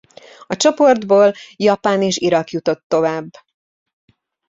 A csoportból Japán és Irak jutott tovább.